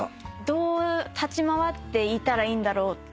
どう立ち回っていたらいいんだろうって。